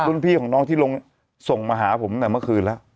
รุ่นพี่ของน้องที่ลงส่งมาหาผมแต่เมื่อคืนแล้ว